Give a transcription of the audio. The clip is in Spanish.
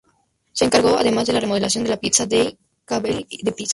Se encargó además de la remodelación de la Piazza dei Cavalieri de Pisa.